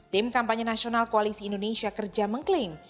tim kampanye nasional koalisi indonesia kerja mengklaim